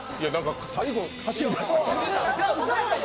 最後、走り出した。